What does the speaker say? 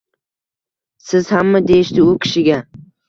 “Siz hammi?” deyishdi u kishiga